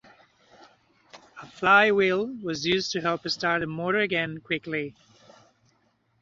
A flywheel was used to help start the motor again quickly.